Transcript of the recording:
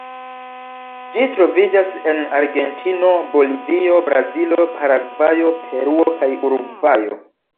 Ĝi troviĝas en Argentino, Bolivio, Brazilo, Paragvajo, Peruo kaj Urugvajo.